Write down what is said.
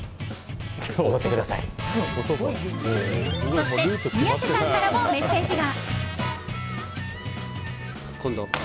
そして、宮世さんからもメッセージが。